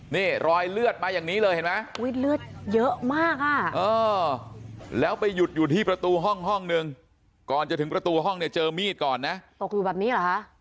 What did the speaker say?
นี่รอยเลือดมาอย่างนี้เลยเห็นไหมเลือดเยอะมากอ่ะแล้วไปหยุดอยู่ที่ประตูห้องห้องนึงก่อนจะถึงประตูห้องเนี่ยเจอมีดก่อนนะตกอยู่แบบนี้เหรอคะ